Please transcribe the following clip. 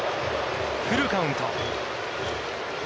フルカウント。